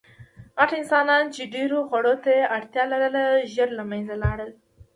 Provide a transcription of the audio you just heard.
غټ انسانان، چې ډېرو خوړو ته یې اړتیا لرله، ژر له منځه لاړل.